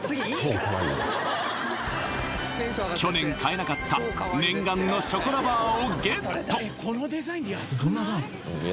去年買えなかった念願のショコラバーをゲット